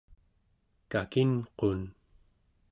kakinqun